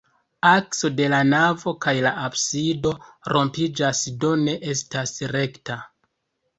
Akso de la navo kaj la absido rompiĝas, do ne estas rekta.